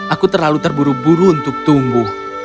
aku terlalu terburu buru untuk tunggu